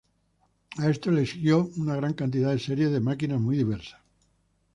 A esto le siguió una gran cantidad de series de máquinas muy diversas.